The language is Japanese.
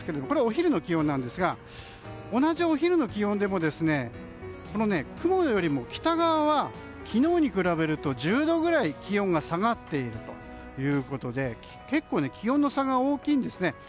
これはお昼の気温なんですが同じお昼の気温でも雲よりも北側は昨日に比べると１０度くらい気温が下がっているということで結構、気温の差が大きいんですね。